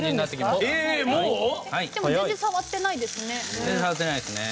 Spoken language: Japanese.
でも全然触ってないですね。